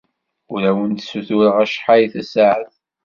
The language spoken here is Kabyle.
Ur awent-ssutureɣ acḥal tasaɛet.